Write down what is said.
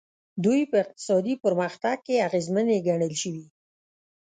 دوی په اقتصادي پرمختګ کې اغېزمنې ګڼل شوي.